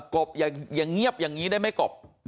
กบอย่างเงียบอย่างนี้ได้ไหมกบ